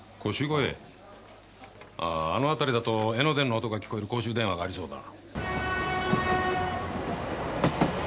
あああの辺りだと江ノ電の音が聞こえる公衆電話がありそうだ